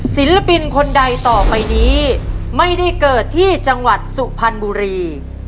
ศิลปินคนใดต่อไปนี้ไม่ได้เกิดที่จังหวัดสุพรรณบุรี